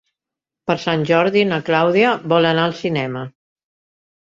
Per Sant Jordi na Clàudia vol anar al cinema.